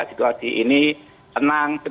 situasi ini tenang